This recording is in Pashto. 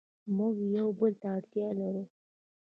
موږ یو بل ته اړتیا لرو.